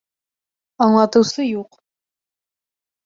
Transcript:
Аңлатыусы юҡ.